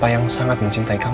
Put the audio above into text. yang sangat mencintai kamu